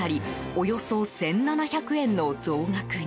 およそ１７００円の増額に。